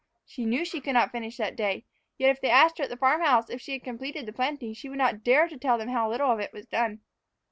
She knew she could not finish that day; yet if they asked her at the farm house if she had completed the planting, she would not dare to tell them how little of it was done.